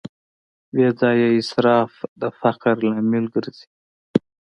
بېځایه اسراف د فقر لامل ګرځي.